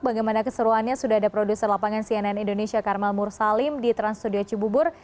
bagaimana keseruannya sudah ada produser lapangan cnn indonesia karmel mursalim di trans studio cibubur